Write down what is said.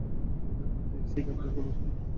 সে কি আপনাদের কোনও হুমকি দিয়েছে?